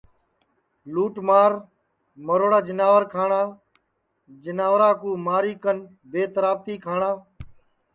لُوٹ مار مروڑا جیناور کھاٹؔا جیناورا کُو ماری کن بے ترابتی کھاٹؔا